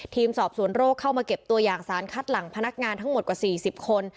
ทีมสอบสวนโรคเข้ามาเก็บตัวอย่างสารคัดหลังพนักงานทั้งหมดกว่า๔๐คน